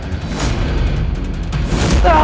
aku sudah berubah